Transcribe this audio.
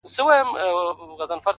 اخلم سا که راتېرېږم له عذابه